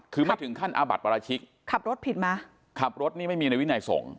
คือไม่ถึงขั้นอาบัติปราชิกขับรถผิดมาขับรถนี่ไม่มีในวินัยส่ง